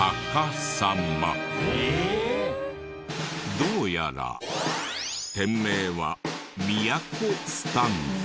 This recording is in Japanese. どうやら店名は「都スタンド」。